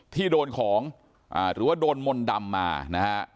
ที่โดนของหรือว่าโดนมนต์ดำมานะฮะ